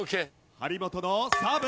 張本のサーブ。